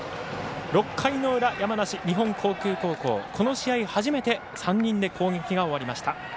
６回の裏、山梨・日本航空高校この試合、初めて３人で攻撃が終わりました。